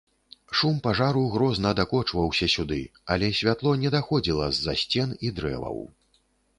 Шум пажару грозна дакочваўся сюды, але святло не даходзіла з-за сцен і дрэваў.